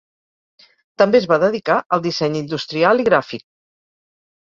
També es va dedicar al disseny industrial i gràfic.